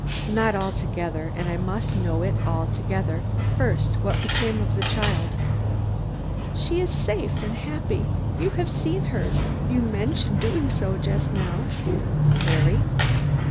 "Not altogether, and I must know it altogether. First, what has become of the child?" "She is safe and happy. You have seen her; you mentioned doing so just now." "Harry?"